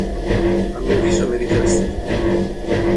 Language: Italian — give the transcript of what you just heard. A mio avviso meriteresti di più.